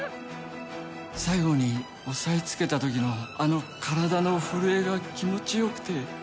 最後に押さえつけたときのあの体の震えが気持ち良くて。